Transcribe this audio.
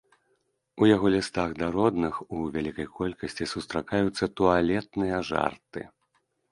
У яго лістах да родных у вялікай колькасці сустракаюцца туалетныя жарты.